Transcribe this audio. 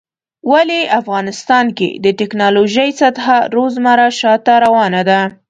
ولی افغانستان کې د ټيکنالوژۍ سطحه روزمره شاته روانه ده